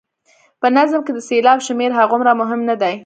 په نظم کې د سېلاب شمېر هغومره مهم نه دی.